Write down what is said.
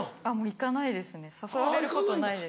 行かないですね誘われることないです。